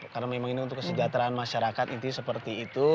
karena memang ini untuk kesejahteraan masyarakat itu seperti itu